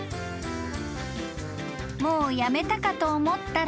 ［もうやめたかと思ったら］